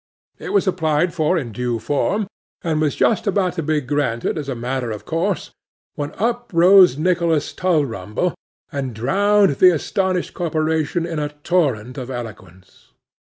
It was applied for in due form, and was just about to be granted as a matter of course, when up rose Nicholas Tulrumble, and drowned the astonished corporation in a torrent of eloquence.